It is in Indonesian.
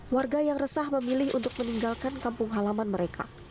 warga yang resah memilih untuk meninggalkan kampung halaman mereka